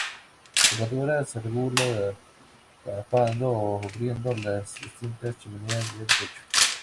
La temperatura se regula tapando o abriendo las distintas "chimeneas" del techo.